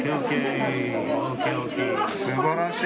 すばらしい。